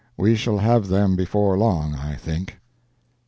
We shall have them before long, I think.